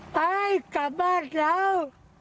ไปกลับบ้านแล้ว